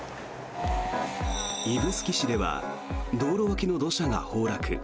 指宿市では道路脇の土砂が崩落。